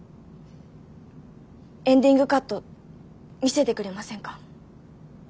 エンディングカット見せてくれませんか？